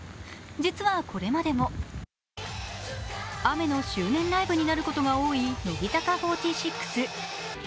実は、これまでも雨の周年ライブになることが多い乃木坂４６。